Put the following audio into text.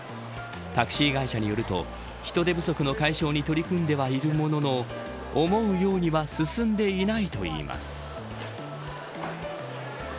タクシー会社によると人手不足の解消に取り組んではいるものの思うようには進んでいないといいます。